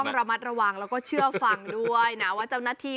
สุดยอดน้ำมันเครื่องจากญี่ปุ่น